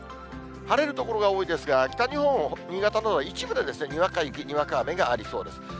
晴れる所が多いですが、北日本、新潟などは一部でにわか雪、にわか雨がありそうです。